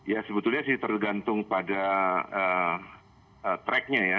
ya sebetulnya sih tergantung pada track nya ya